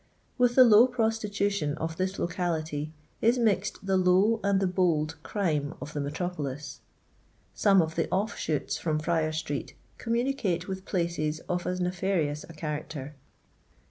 With the low prostitution of I this locality is mixed the low and the bold crime I of the metropolis. Some of the off shoots from , Friar street communicate with places of as nefa rious a character.